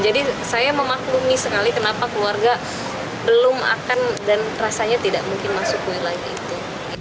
jadi saya memaklumi sekali kenapa keluarga belum akan dan rasanya tidak mungkin masuk ke wilayah itu